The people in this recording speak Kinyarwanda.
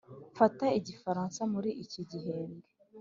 mfata igifaransa muri iki gihembwe.